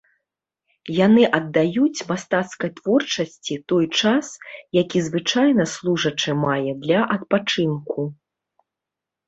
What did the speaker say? Яны аддаюць мастацкай творчасці той час, які звычайна служачы мае для адпачынку.